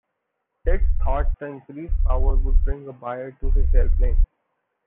Ted thought the increase power would bring a buyer to his airplane.